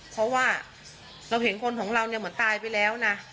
เพราะว่าเราเห็นคนของเราเนี่ยเหมือนตายไปแล้วนะ